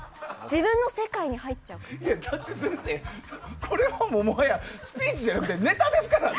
自分の世界に入っちゃうから。